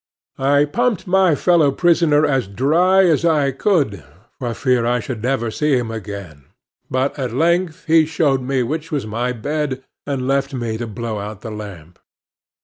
I pumped my fellow prisoner as dry as I could, for fear I should never see him again; but at length he showed me which was my bed, and left me to blow out the lamp.